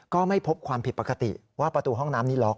ก็ไม่พบความผิดปกติว่าประตูห้องน้ำนี้ล็อก